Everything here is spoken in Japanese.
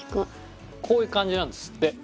こういう感じなんですって。